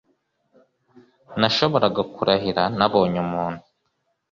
Nashoboraga kurahira Nabonye umuntu